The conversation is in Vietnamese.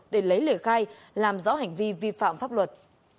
để lấy lời khai làm rõ hành vi vi phạm pháp luật